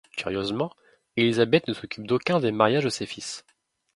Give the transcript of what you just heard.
Curieusement, Élisabeth ne s'occupe d'aucun des mariages de ses fils.